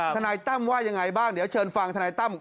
ทนายตั้มว่ายังไงบ้างเดี๋ยวเชิญฟังธนายตั้ม